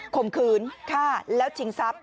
มขืนฆ่าแล้วชิงทรัพย